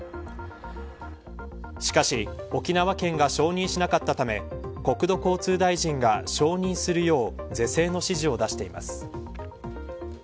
しかし沖縄県が承認しなかったため国土交通大臣が承認するよう是正の指示を出しています。